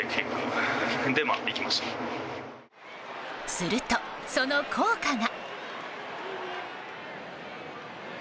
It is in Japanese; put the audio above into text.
すると、その効果が。